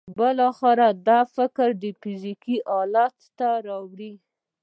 بالاخره دا فکر فزیکي حالت ته اوړي